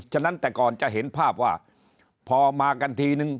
ฉะนั้นแต่ก่อนจะเห็นภาพว่าพอมากันทีนึง